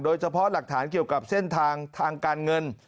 โดยเฉพาะหลักฐานเกี่ยวกับเส้นทางทางการเงิน